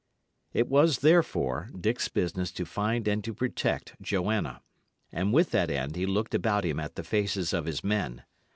It was, therefore, Dick's business to find and to protect Joanna; and with that end he looked about him at the faces of his men.